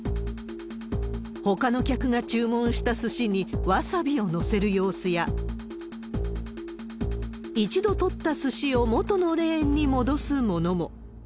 ほかの客が注文したすしにわさびを載せる様子や、一度取ったすしを元のレーンに戻すものも。